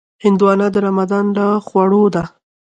هندوانه د رمضان له خوړو ده.